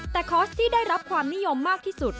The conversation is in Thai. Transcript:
แต่คอร์สที่ได้รับความนิยมมากที่สุด